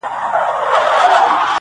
• څنگ ته چي زه درغــــلـم.